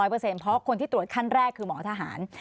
เพราะคนที่ตรวจขั้นแรกคือหมอทหาร